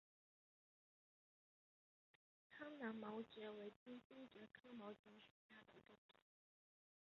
苍南毛蕨为金星蕨科毛蕨属下的一个种。